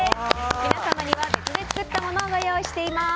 皆様には別で作ったものをご用意しています。